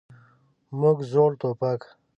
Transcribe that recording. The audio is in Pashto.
موږ زوړ ټوپک.